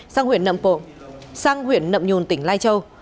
sang huyện nậm nhôn tỉnh lai châu